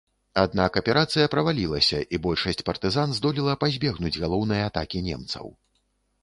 Аднак аперацыя правалілася і большасць партызан здолела пазбегнуць галоўнай атакі немцаў.